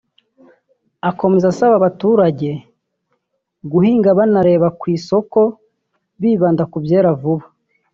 Akomeza asaba abaturage guhinga banareba ku isoko bibanda ku byera vuba